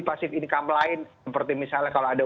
pasif income lain seperti misalnya kalau ada